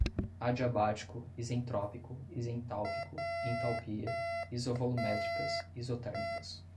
adiabático, isentrópico, isentálpico, entalpia, isovolumétricas-isotérmicas